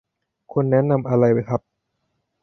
คุณแนะนำอะไรครับ